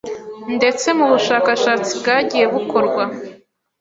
ndetse mu bushakashatsi bwagiye bukorwa